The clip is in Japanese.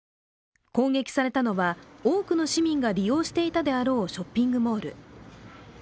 攻撃されたのは多くの市民が利用していたであろうショッピングモール。